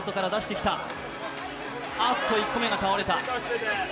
あっと、１個目が倒れた。